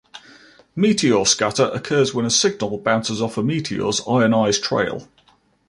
Meteor scatter occurs when a signal bounces off a meteor's ionized trail.